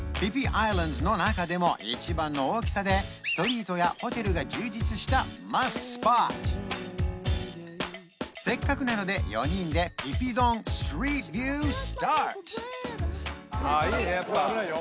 ・アイランズの中でも一番の大きさでストリートやホテルが充実したマストスポットせっかくなので４人でああいいねやっぱ危ないよ